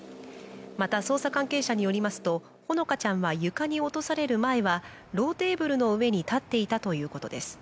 また捜査関係者によりますと、ほのかちゃんは床に落とされる前はローテーブルの上に立っていたということです